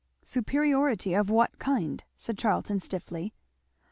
"Superiority of what kind?" said Charlton stiffly.